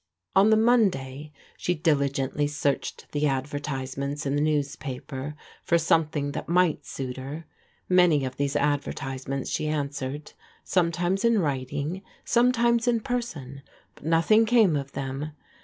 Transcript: On the Monday she diligently searched the advertise ments in the newspapers for something that might siut her. Many of these advertisements she answered, some times in writing, sometimes in person, but nothing came of them.